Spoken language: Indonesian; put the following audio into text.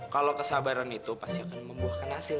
kalau kesabaran itu pasti akan membuahkan hasil